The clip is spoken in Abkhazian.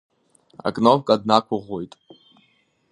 Акнопка днақәыӷәӷәоит.